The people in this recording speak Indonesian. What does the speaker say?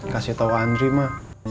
kasih tau andri ma